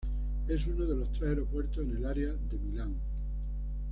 Es uno de los tres aeropuertos en el área de Milán.